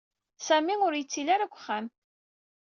Sami ur yettili ara deg uxxam.